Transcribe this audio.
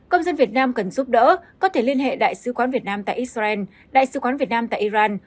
công dân việt nam cần giúp đỡ có thể liên hệ đại sứ quán việt nam tại israel đại sứ quán việt nam tại iran